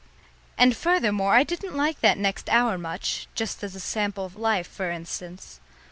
And, furthermore, I didn't like that next hour much, just as a sample of life, for instance.